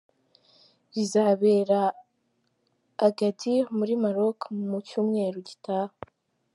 rizabera Agadir muri Maroc mu cyumweru gitaha.